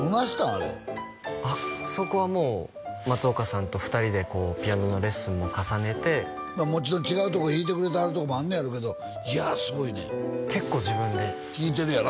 あれそこはもう松岡さんと２人でこうピアノのレッスンを重ねてもちろん違うとこ弾いてくれてはるとこもあんねやろうけどいやすごいね結構自分で弾いてるやろ？